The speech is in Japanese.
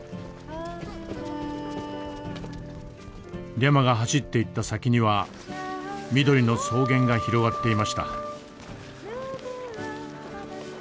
リャマが走っていった先には緑の草原が広がっていました。